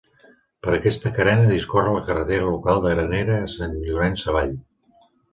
Per aquesta carena discorre la carretera local de Granera a Sant Llorenç Savall.